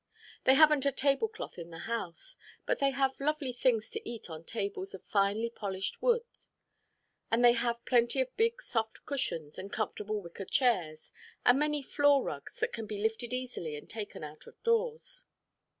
They haven't a table cloth in the house, but they have lovely things to eat on tables of finely polished wood, and they have plenty of big, soft cushions and comfortable wicker chairs, and many floor rugs that can be lifted easily and taken out of doors.